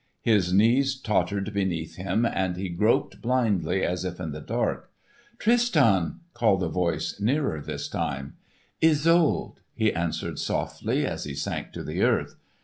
His knees tottered beneath him and he groped blindly as if in the dark. "Tristan!" called the voice, nearer this time. "Isolde!" he answered softly, as he sank to the earth.